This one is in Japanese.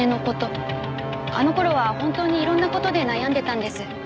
あの頃は本当にいろんな事で悩んでたんです。